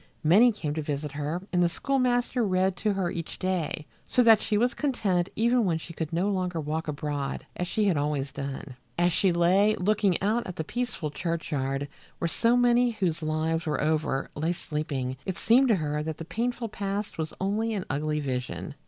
Many came to visit her and the schoolmaster read to her each day, so that she was content even when she could no longer walk abroad as she had always done. As she lay looking out at the peaceful churchyard, where so many whose lives were over lay sleeping, it seemed to her that the painful past was only an ugly vision.